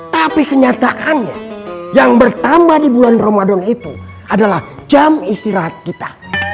tapi kenyataannya yang bertambah di bulan ramadan itu adalah jam istirahat kita